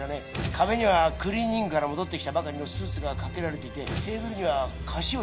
壁にはクリーニングから戻ってきたばかりのスーツが掛けられていてテーブルには菓子折りがあります。